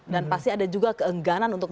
dan pasti ada juga keengganan untuk